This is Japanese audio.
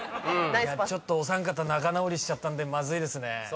お三方仲直りしちゃったんでまずいですね。